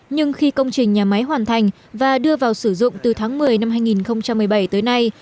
nhưng khi công trình nhà máy hoàn thành và đưa vào sử dụng từ tháng một mươi năm hai nghìn một mươi bảy tới nay